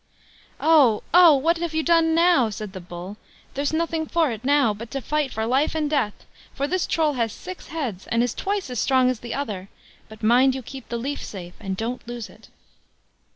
"AU! AU! what have you done now?" said the Bull. "There's nothing for it now but to fight for life and death, for this Troll has six heads, and is twice as strong as the other, but mind you keep the leaf safe, and don't lose it."